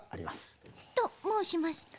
ともうしますと？